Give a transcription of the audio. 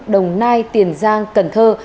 đồng nai tiền giang cần thơ